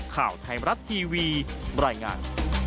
ข่าวไทยมรัฐทีวีบรรยายงาน